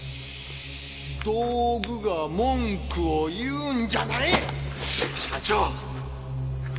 道具が文句を言うんじゃない！社長！